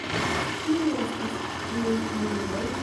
Kiuj estis tiuj junuloj?